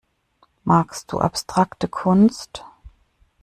Magst du abstrakte Kunst?